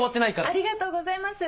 ありがとうございます。